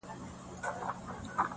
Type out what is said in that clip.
او د هارون د غزل خیال یې